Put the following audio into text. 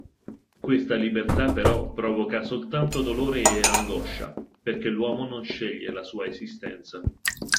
Questa libertà però provoca soltanto dolore e angoscia perché l'uomo non sceglie la sua esistenza.